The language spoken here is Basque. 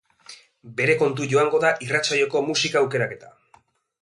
Bere kontu joango da irratsaioko musika aukeraketa.